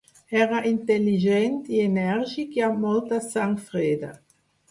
Era intel·ligent i enèrgic i amb molta sang freda.